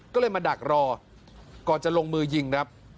ก็เลยมาดักรอก่อนจะลงมือยิงครับ